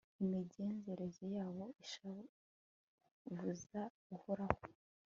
imigenzereze yabo ishavuza uhoraho